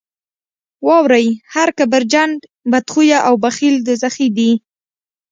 واورئ هر کبرجن، بدخویه او بخیل دوزخي دي.